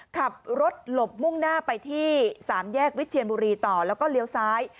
ขับรถหลบมุ่งหน้าไปที่สามแยกวิเชียนบุรีต่อแล้วก็เลี้ยวซ้าย